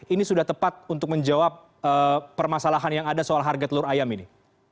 ini sudah tepat untuk menjawab permasalahan yang ada soal harga telur ayam ini